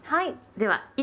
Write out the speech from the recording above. はい。